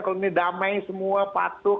kalau ini damai semua patuh